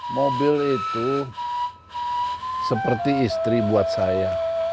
mobil itu seperti istri buat saya